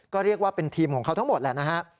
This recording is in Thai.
ก็เรียกว่าเป็นทีมของเขาทั้งหมดแหละนะฮะ